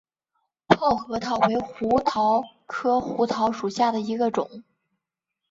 泡核桃为胡桃科胡桃属下的一个种。